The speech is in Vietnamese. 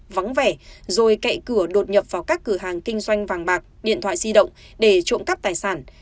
vắng vẻ rồi cậy cửa đột nhập vào các cửa hàng kinh doanh vàng bạc điện thoại di động để trộm cắp tài sản